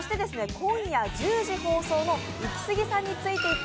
今夜１０時放送の「イキスギさんについてった」